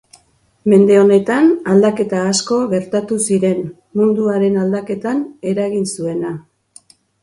mende honetan, aldaketa asko gertatu ziren, munduaren aldaketan eragin zuena.